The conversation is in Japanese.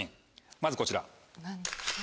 まずこちら。